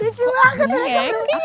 lucu banget rasanya